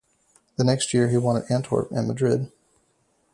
The next year he won at Antwerp and Madrid.